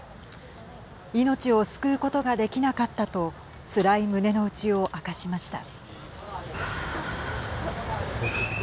命を救うことができなかったとつらい胸の内を明かしました。